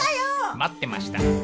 待ってました。